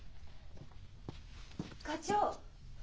課長！